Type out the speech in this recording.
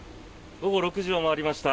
午後６時を回りました。